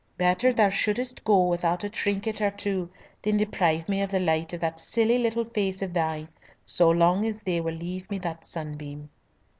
Better thou shouldst go without a trinket or two than deprive me of the light of that silly little face of thine so long as they will leave me that sunbeam."